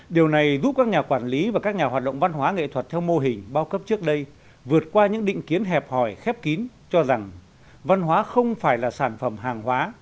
điều này giúp các nhà quản lý và các nhà hoạt động văn hóa nghệ thuật theo mô hình bao cấp trước đây vượt qua những định kiến hẹp hòi khép kín cho rằng văn hóa không phải là sản phẩm hàng hóa